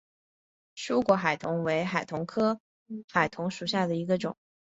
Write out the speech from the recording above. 疏果海桐为海桐科海桐属下的一个种。